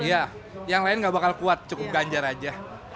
iya yang lain gak bakal kuat cukup ganjar aja